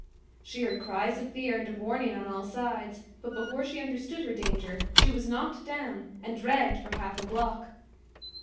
She heard cries of fear and of warning on all sides, but before she understood her danger she was knocked down and dragged for half a block.